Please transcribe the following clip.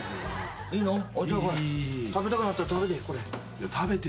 食べたくなったら食べて。